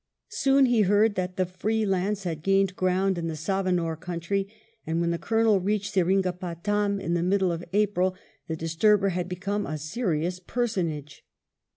Soon he heard that the free lance had gained ground in the Savanore country, and, when the Colonel reached Seringapatam in the middle of April, the disturber had become a serious personage.